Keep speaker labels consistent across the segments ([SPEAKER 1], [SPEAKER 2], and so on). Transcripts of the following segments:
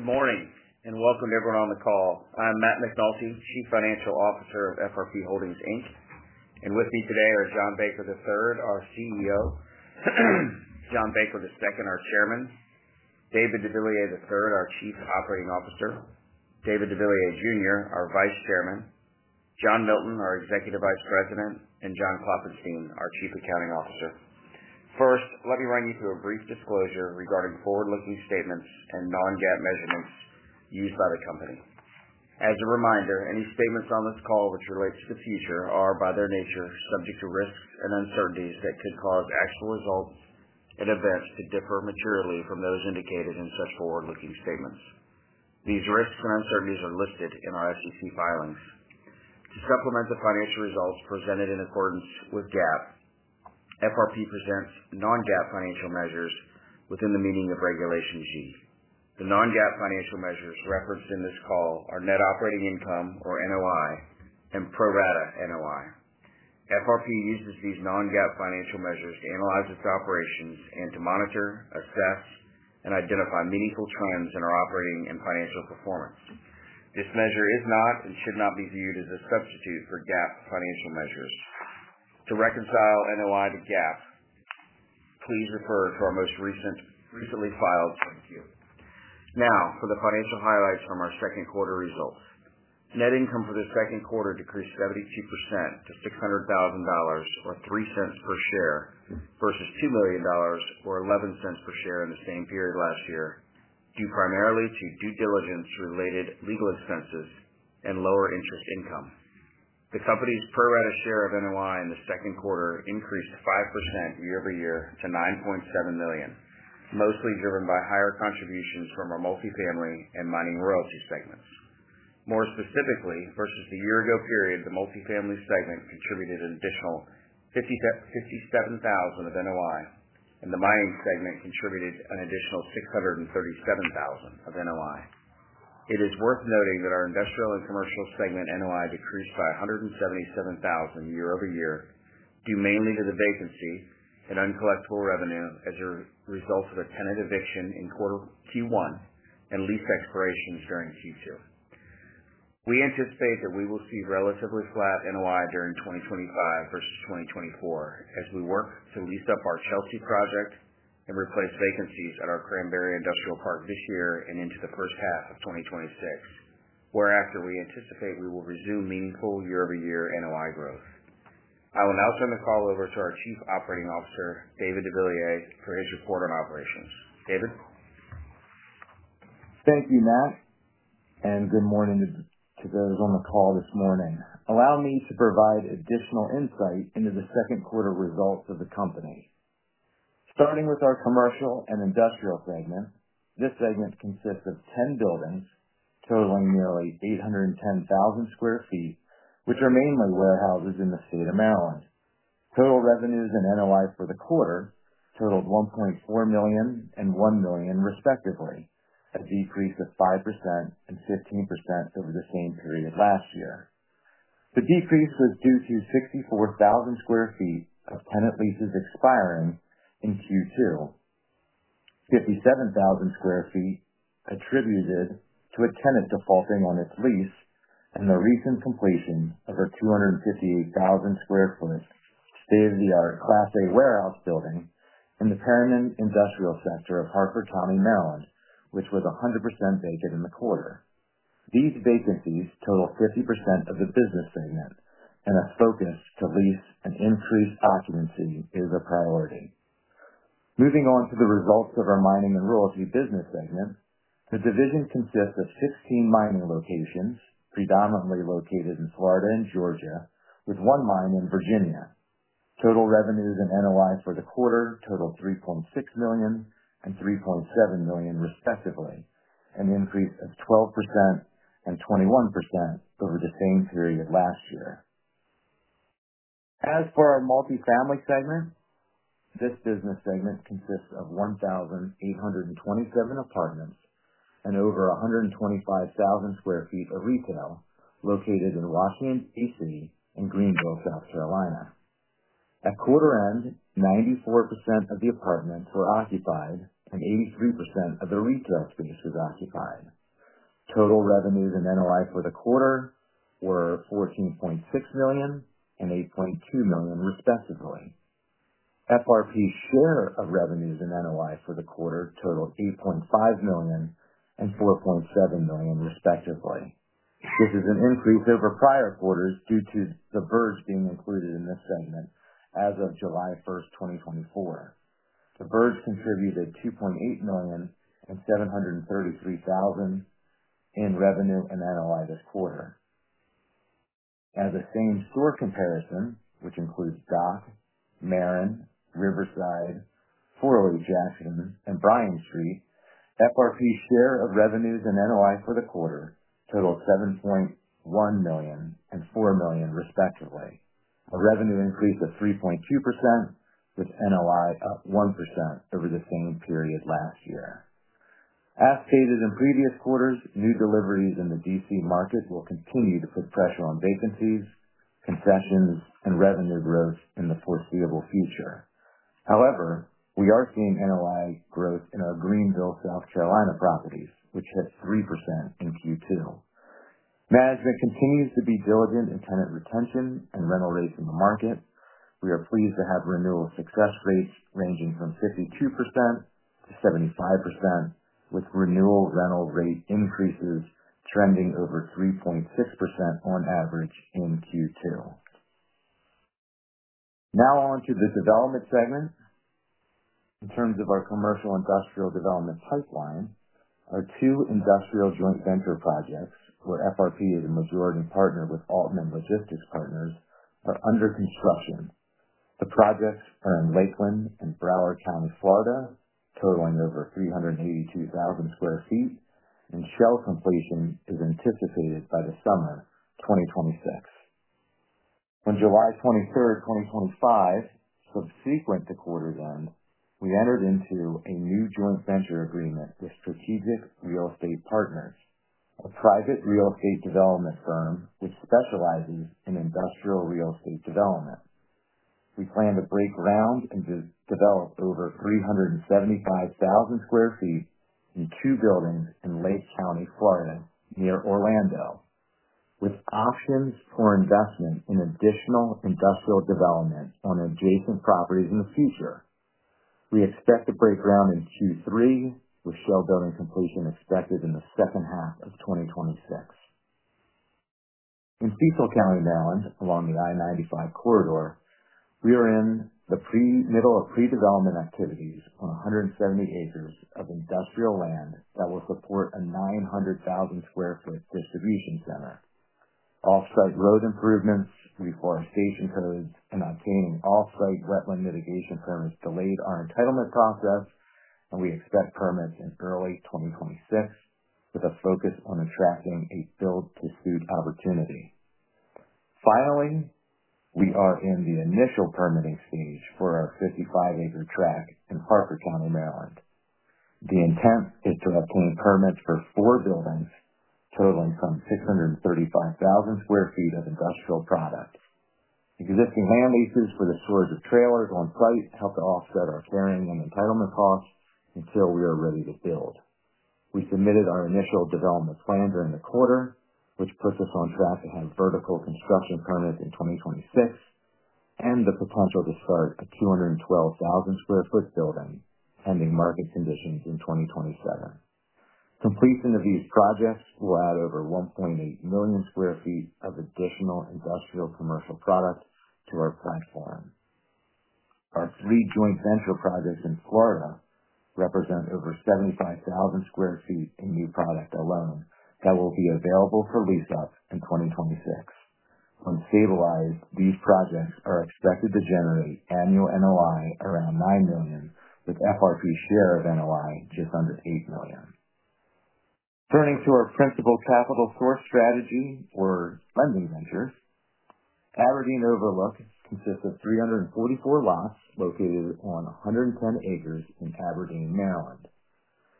[SPEAKER 1] Good morning and welcome everyone on the call. I'm Matt McNulty, Chief Financial Officer of FRP Holdings, Inc. and with me today are John Baker III, our CEO, John Baker II, our Chairman, David deVilliers III, our Chief Operating Officer, David deVilliers Jr., our Vice Chairman, John Milton, our Executive Vice President, and John Klopfenstein, our Chief Accounting Officer. First, let me run you through a brief disclosure regarding forward-looking statements and non-GAAP measurements used by the company. As a reminder, any statements on this call which relate to the future are, by their nature, subject to risks and uncertainties that could cause actual results and events to differ materially from those indicated in such forward-looking statements. These risks and uncertainties are listed in our SEC filings. To supplement the financial results presented in accordance with GAAP, FRP presents non-GAAP financial measures within the meaning of Regulation Z. The non-GAAP financial measures referenced in this call are Net Operating Income, or NOI, and Pro Rata NOI. FRP uses these non-GAAP financial measures to analyze its operations and to monitor, assess, and identify meaningful trends in our operating and financial performance. This measure is not and should not be viewed as a substitute for GAAP financial measures. To reconcile NOI to GAAP, please refer to our most recently filed summary. Now, for the financial highlights from our second quarter results, net income for the second quarter decreased 72% to $600,000 or $0.03 per share versus $2 million or $0.11 per share in the same period last year, due primarily to due diligence-related legal expenses and lower interest income. The company's pro rata share of NOI in the second quarter increased 5% year over year to $9.7 million, mostly driven by higher contributions from our multifamily and mining royalty segments. More specifically, versus the year-ago period, the multifamily segment contributed an additional $57,000 of NOI, and the mining segment contributed an additional $637,000 of NOI. It is worth noting that our industrial and commercial segment NOI decreased by $177,000 year over year, due mainly to the vacancy and uncollectible revenue as a result of a tenant eviction in Q1 and lease expiration ensuing future. We anticipate that we will see relatively flat NOI during 2025 versus 2024 as we work to lease up our Chelsea project and replace vacancies at our Cranberry Industrial Park this year and into the first half of 2026, whereafter we anticipate we will resume meaningful year-over-year NOI growth. I will now turn the call over to our Chief Operating Officer, David deVilliers, for his report on operations. David?
[SPEAKER 2] Thank you, Matt, and good morning to those on the call this morning. Allow me to provide additional insight into the second quarter results of the company. Starting with our commercial and industrial segment, this segment consists of 10 buildings totaling nearly 810,000 sq ft, which are mainly warehouses in the state of Maryland. Total revenues and NOIs for the quarter totaled $1.4 million and $1 million, respectively, a decrease of 5% and 15% over the same period last year. The decrease was due to 64,000 sq ft of tenant leases expiring in Q2, 57,000 sq ft attributed to a tenant defaulting on its lease, and the recent completion of a 258,000 sq ft state-of-the-art Class A warehouse building in the Perryman Industrial Center of Harford County, Maryland, which was 100% vacant in the quarter. These vacancies total 50% of the business segment, and a focus to lease and increase occupancy is a priority. Moving on to the results of our mining and royalty business segment, the division consists of 16 mining locations, predominantly located in Florida and Georgia, with one mine in Virginia. Total revenues and NOIs for the quarter totaled $3.6 million and $3.7 million, respectively, an increase of 12% and 21% over the same period last year. As for our multifamily segment, this business segment consists of 1,827 apartments and over 125,000 sq ft of retail located in Rockland, D.C., and Greenville, South Carolina. At quarter end, 94% of the apartments were occupied and 83% of the retail space was occupied. Total revenues and NOI for the quarter were $14.6 million and $8.2 million, respectively. FRP's share of revenues and NOI for the quarter totaled $8.5 million and $4.7 million, respectively. This is an increase over prior quarters due to the BERGS being included in this segment as of July 1st, 2024. The BERGS contributed $2.8 million and $733,000 in revenue and NOI this quarter. As a same-store comparison, which includes Dock, Marin, Riverside, Fort Lee, Jackson, and Bryan Street, FRP's share of revenues and NOI for the quarter totaled $7.1 million and $4 million, respectively, a revenue increase of 3.2% with NOI up 1% over the same period last year. As stated in previous quarters, new deliveries in the D.C. market will continue to put pressure on vacancies, concessions, and revenue growth in the foreseeable future. However, we are seeing NOI growth in our Greenville, South Carolina properties, which had 3% in Q2. Management continues to be diligent in tenant retention and rental rates in the market. We are pleased to have renewal success rates ranging from 52%-75%, with renewal rental rate increases trending over 3.6% on average in Q2. Now on to the development segment. In terms of our commercial industrial development pipeline, our two industrial joint venture projects, where FRP is a majority partner with Altman Logistics Partners, are under construction. The projects are in Lakeland and Broward County, Florida, totaling over 382,000 sq ft, and shell completion is anticipated by the summer of 2026. On July 23rd, 2025, subsequent to quarter one, we entered into a new joint venture agreement with Strategic Real Estate Partners, a private real estate development firm which specializes in industrial real estate development. We plan to break ground and develop over 375,000 sq ft in two buildings in Lake County, Florida, near Orlando, with options for investment in additional industrial development on adjacent properties in the future. We expect to break ground in Q3, with shell building completion expected in the second half of 2026. In Cecil County, Maryland, along the I-95 corridor, we are in the middle of pre-development activities on 170 acres of industrial land that will support a 900,000 sq ft distribution center. Offsite road improvements, reforestation codes, and obtaining offsite wetland mitigation permits delayed our entitlement process, and we expect permits in early 2026 with a focus on attracting a build-to-suit opportunity. Finally, we are in the initial permitting stage for our 55-acre tract in Harford County, Maryland. The intent is to obtain permits for four buildings totaling some 635,000 sq ft of industrial product. Existing land leases for the storage of trailers on site help to offset our carrying and entitlement costs until we are ready to build. We submitted our initial development plan during the quarter, which puts us on track to have vertical construction permits in 2026 and the potential to start a 212,000 sq ft building pending market conditions in 2027. Completion of these projects will add over 1.8 million sq ft of additional industrial commercial product to our platform. Our three joint venture projects in Florida represent over 75,000 sq ft in new product alone that will be available for lease-up in 2026. When stabilized, these projects are expected to generate annual NOI around $9 million, with FRP's share of NOI just under $8 million. Turning to our principal capital source strategy or funding ventures, Aberdeen Overlook consists of 344 lots located on 110 acres in Aberdeen, Maryland.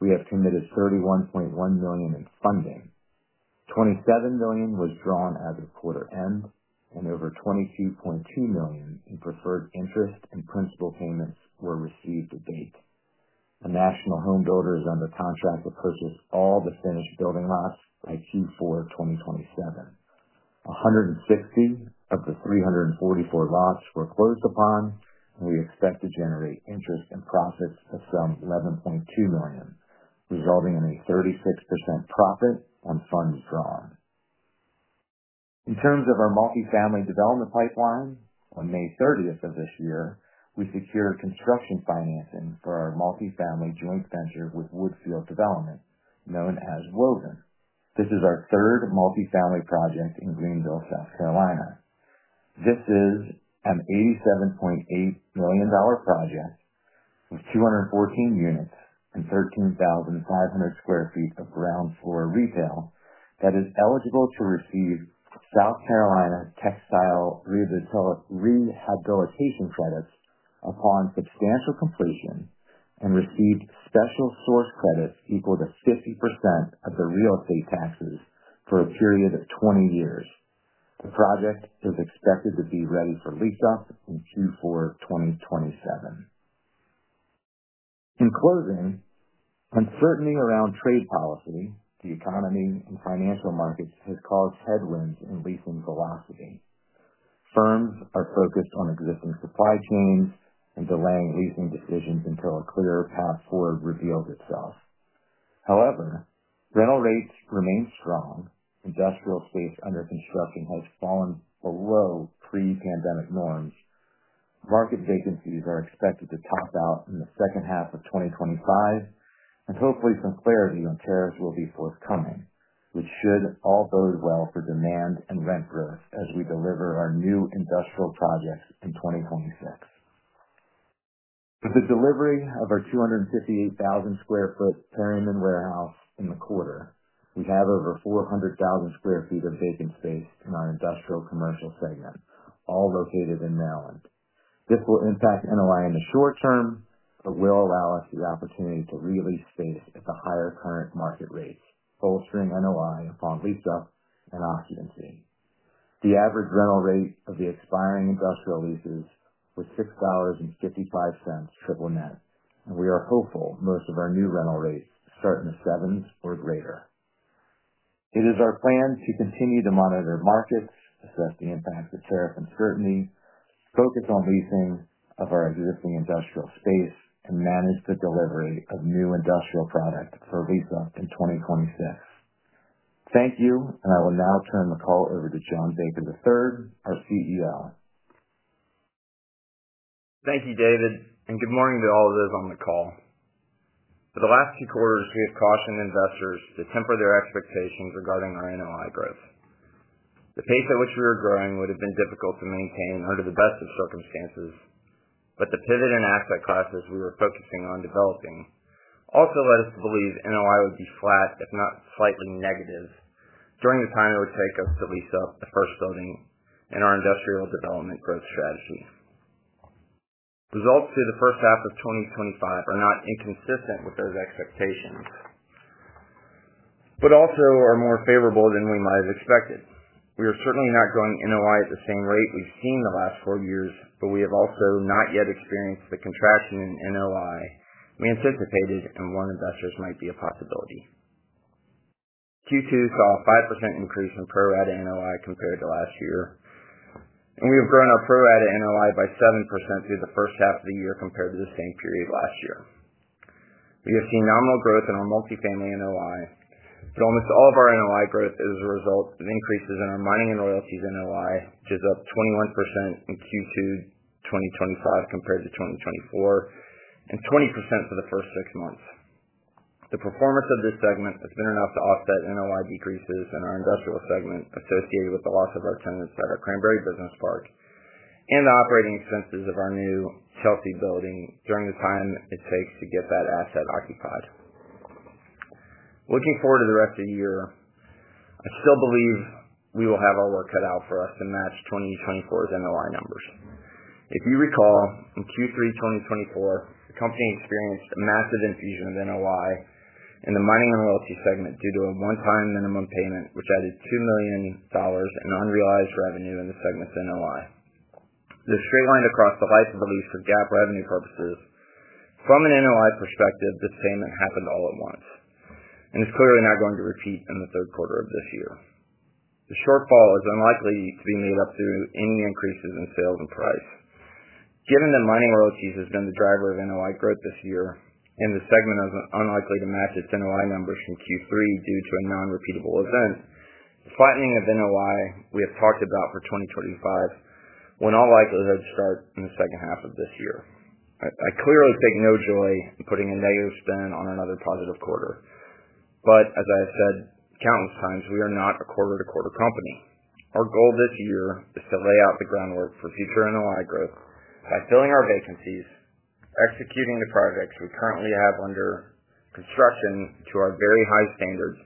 [SPEAKER 2] We have committed $31.1 million in funding. $27 million was drawn as of quarter end, and over $22.2 million in preferred interest and principal payments were received to date. A national home builder is under contract to purchase all the finished building lots by Q4 2027. 150 of the 344 lots were closed upon, and we expect to generate interest and profits of some $11.2 million, resulting in a 36% profit on funds drawn. In terms of our multifamily development pipeline, on May 30th of this year, we secured construction financing for our multifamily joint venture with Woodfield Development, known as Woven. This is our third multifamily project in Greenville, South Carolina. This is an $87.8 million project with 214 units and 13,500 sq ft of ground floor retail that is eligible to receive South Carolina Textile Rehabilitation Credits upon substantial completion and receive special source credits equal to 50% of the real estate taxes for a period of 20 years. The project is expected to be ready for lease-up in Q4 2027. In closing, uncertainty around trade policy, the economy, and financial markets has caused headwinds in leasing velocity. Firms are focused on existing supply chains and delaying leasing decisions until a clearer path forward reveals itself. However, rental rates remain strong. Industrial space under construction has fallen below pre-pandemic norms. Market vacancies are expected to top out in the second half of 2025, and hopefully some clarity on tariffs will be forthcoming, which should all bode well for demand and rent growth as we deliver our new industrial projects in 2026. With the delivery of our 258,000 sq ft Perryman warehouse in the quarter, we have over 400,000 sq ft of vacant space in our industrial commercial segment, all located in Maryland. This will impact NOI in the short term, but will allow us the opportunity to re-lease space at the higher current market rates, bolstering NOI upon lease-up and occupancy. The average rental rate of the expiring industrial leases was $6.55 triple net, and we are hopeful most of our new rental rates start in the sevens or greater. It is our plan to continue to monitor markets, assess the impacts of tariff uncertainty, focus on leasing of our existing industrial space, and manage the delivery of new industrial product for lease-up in 2026. Thank you, and I will now turn the call over to John Baker III, our CEO.
[SPEAKER 3] Thank you, David, and good morning to all of those on the call. For the last two quarters, he has cautioned investors to temper their expectations regarding our NOI growth. The pace at which we were growing would have been difficult to maintain under the best of circumstances, but the pivot in asset classes we were focusing on developing also led us to believe NOI would be flat, if not slightly negative, during the time it would take us to lease up the first building in our industrial development growth strategy. Results to the first half of 2025 are not inconsistent with those expectations, but also are more favorable than we might have expected. We are certainly not growing NOI at the same rate we've seen the last four years, but we have also not yet experienced the contraction in NOI we anticipated and warned investors might be a possibility. Q2 saw a 5% increase in pro rata NOI compared to last year, and we have grown our pro rata NOI by 7% through the first half of the year compared to the same period last year. We have seen nominal growth in our multifamily NOI, but almost all of our NOI growth is a result of increases in our mining and royalties NOI, which is up 21% in Q2 2025 compared to 2024 and 20% for the first six months. The performance of this segment has been enough to offset NOI decreases in our industrial segment associated with the loss of our tenants at our Cranberry Industrial Park and the operating expenses of our new Chelsea building during the time it takes to get that asset occupied. Looking forward to the rest of the year, I still believe we will have all work cut out for us to match 2024's NOI numbers. If you recall, in Q3 2024, the company experienced a massive infusion of NOI in the mining and royalty segment due to a one-time minimum payment, which added $2 million in non-realized revenue in the segment's NOI. This streamlined across the heights of the lease for GAAP revenue purposes. From an NOI perspective, this payment happened all at once and is clearly not going to repeat in the third quarter of this year. The shortfall is unlikely to be moved up through any increases in sales and price. Given that mining royalties has been the driver of NOI growth this year and the segment is unlikely to match its NOI numbers from Q3 due to a non-repeatable event, the flattening of NOI we have talked about for 2025 will in all likelihood start in the second half of this year. I clearly take no joy in putting a negative spin on another positive quarter, but as I have said countless times, we are not a quarter-to-quarter company. Our goal this year is to lay out the groundwork for future NOI growth by filling our vacancies, executing the projects we currently have under construction to our very high standards,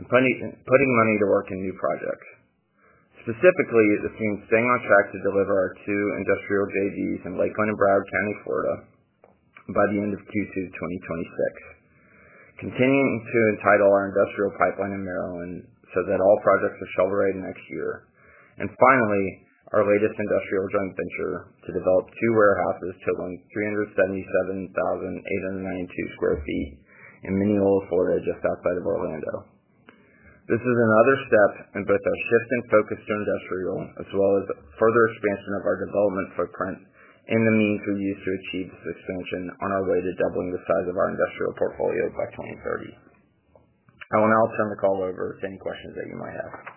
[SPEAKER 3] and putting money to work in new projects. Specifically, this means staying on track to deliver our two industrial JVs in Lakeland and Broward County, Florida, by the end of Q2 2026, continuing to entitle our industrial pipeline in Maryland so that all projects are shelved ready next year, and finally, our latest industrial joint venture to develop two warehouses totaling 377,892 sq ft in Mineola, Florida, just outside of Orlando. This is another step in both our shifting focus to industrial as well as further expansion of our development footprint and the means we use to achieve this expansion on our way to doubling the size of our industrial portfolio by 2030. I will now turn the call over to any questions that you might have.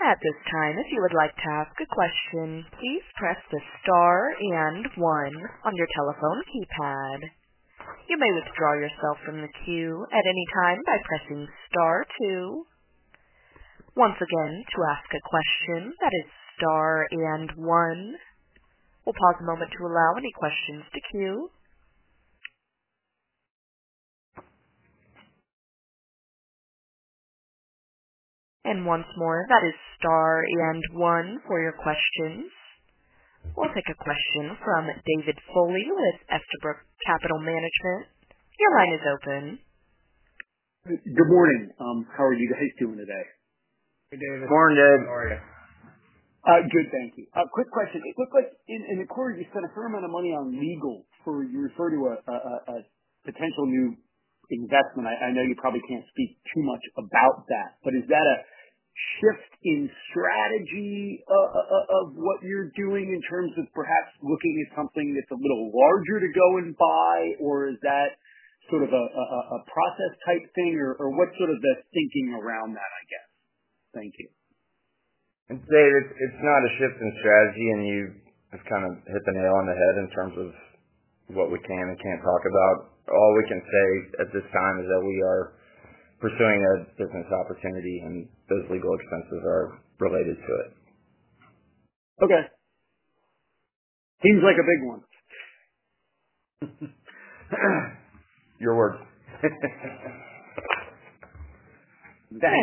[SPEAKER 4] At this time, if you would like to ask a question, please press the star and one on your telephone keypad. You may withdraw yourself from the queue at any time by pressing star two. Once again, to ask a question, that is star and one. We'll pause a moment to allow any questions to queue. Once more, that is star and one for your questions. We'll take a question from David Foley with Estabrook Capital Management. Your line is open.
[SPEAKER 5] Good morning. How are you guys doing today?
[SPEAKER 1] Good morning, David.
[SPEAKER 2] How are you?
[SPEAKER 5] Good, thank you. Quick question. In the quarter, you spent a fair amount of money on legal for your refer to a potential new investment. I know you probably can't speak too much about that, but is that a shift in strategy, of what you're doing in terms of perhaps looking at something that's a little larger to go and buy, or is that sort of a process type thing, or what's sort of the thinking around that, I guess?
[SPEAKER 2] Thank you. I'd say it's not a shift in strategy, and you have kind of hit the nail on the head in terms of what we can and can't talk about. All we can say at this time is that we are pursuing a business opportunity, and those legal expenses are related to it.
[SPEAKER 5] Okay, seems like a big one.
[SPEAKER 2] Your word.
[SPEAKER 5] Thanks.
[SPEAKER 4] That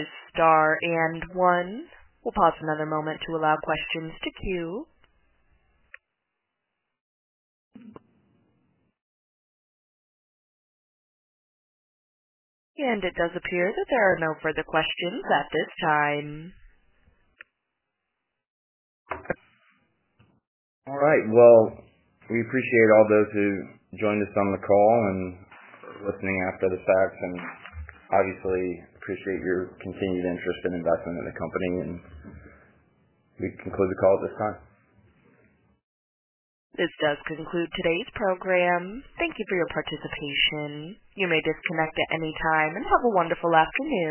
[SPEAKER 4] is star and one. We'll pause another moment to allow questions to queue. It does appear that there are no further questions at this time.
[SPEAKER 1] All right. We appreciate all those who joined us on the call and are listening after the fact, and obviously appreciate your continued interest in investment in the company. We conclude the call at this time.
[SPEAKER 4] This does conclude today's program. Thank you for your participation. You may disconnect at any time and have a wonderful afternoon.